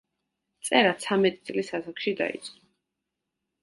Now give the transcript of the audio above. წერა ცამეტი წლის ასაკში დაიწყო.